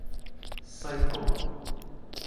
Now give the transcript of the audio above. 西貢